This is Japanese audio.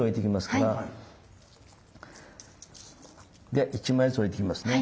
では１枚ずつ置いていきますね。